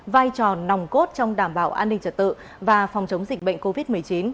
vai trò nòng cốt trong đảm bảo an ninh trật tự và phòng chống dịch bệnh covid một mươi chín